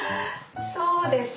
そうですね。